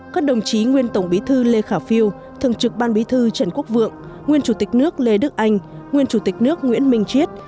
các đồng chí nguyên tổng bí thư lê khả phiêu thường trực ban bí thư trần quốc vượng nguyên chủ tịch nước lê đức anh nguyên chủ tịch nước nguyễn minh chiết